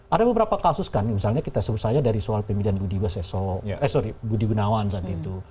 ada beberapa kasus kan misalnya kita selesai dari soal pemilihan budi benawan saat itu